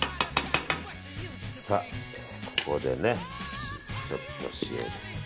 さあ、ここでちょっと塩で。